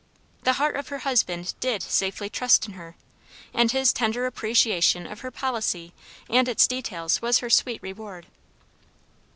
"The heart of her husband did safely trust in her," and his tender appreciation of her policy and its details was her sweet reward.